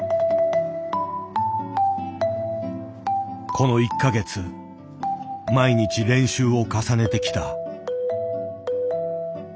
この１か月毎日練習を重ねてきた。